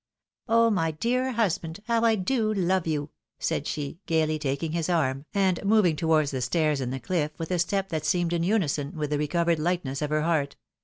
_" Oh, my dear husband, how I do love you !" said she, gaily taking his arm, and moving towards the stairs in the cliff with a step that seemed in imison with the recovered lightness of her heart.